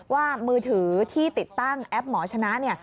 ว่ามือถือที่ติดตั้งแอปหมอชนะเนี่ย